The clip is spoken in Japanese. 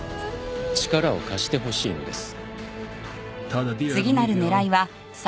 力を貸してほしいのです。